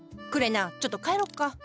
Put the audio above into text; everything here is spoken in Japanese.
くれなちょっと帰ろっか。